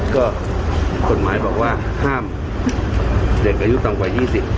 ก็กฎหมายบอกว่าห้ามเด็กอายุต่ำกว่า๒๐